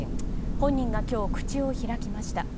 本人が今日口を開きました。